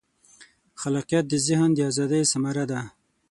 خلاقیت د ذهن د ازادۍ ثمره ده.